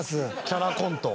キャラコント。